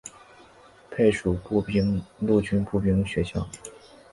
配属陆军步兵学校。